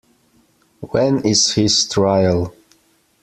When is his trial?